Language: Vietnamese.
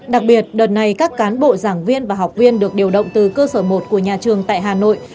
đặc biệt đợt này các cán bộ giảng viên và học viên được điều động từ cơ sở một của nhà trường tại hà nội